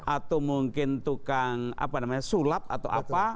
atau mungkin tukang apa namanya sulap atau apa